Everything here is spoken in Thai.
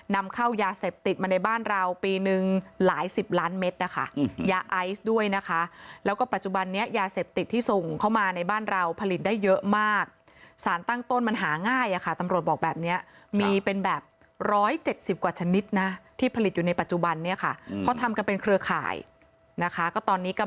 นำเข้ายาเสพติดมาในบ้านเราปีนึงหลายสิบล้านเม็ดนะคะยาไอซ์ด้วยนะคะแล้วก็ปัจจุบันนี้ยาเสพติดที่ส่งเข้ามาในบ้านเราผลิตได้เยอะมากสารตั้งต้นมันหาง่ายอะค่ะตำรวจบอกแบบนี้มีเป็นแบบร้อยเจ็ดสิบกว่าชนิดนะที่ผลิตอยู่ในปัจจุบันเนี่ยค่ะเขาทำกันเป็นเครือข่ายนะคะก็ตอนนี้ก